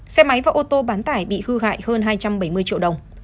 xe máy và ô tô bán tải bị hư hại hơn hai trăm bảy mươi triệu đồng